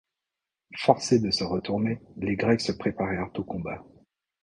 Forcés de se retourner, les Grecs se préparèrent au combat.